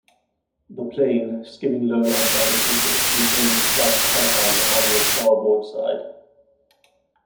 The plane, skimming low and undetected, returned to strike "Callaghan" on the starboard side.